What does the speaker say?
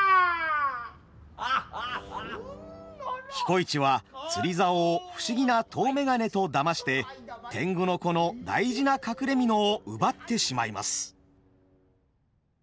彦市は釣り竿を不思議な遠眼鏡とだまして天狗の子の大事な隠れ蓑を奪ってしまいます。